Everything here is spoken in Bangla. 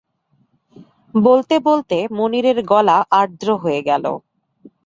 বলতে-বলতে মুনিরের গলা আর্দ্র হয়ে গেল।